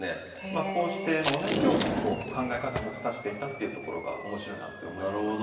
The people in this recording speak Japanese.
まあこうして同じように考え方持って指していたっていうところが面白いなって思いますよね。